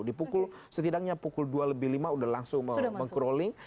dipukul setidaknya pukul dua lebih lima sudah langsung meng crawling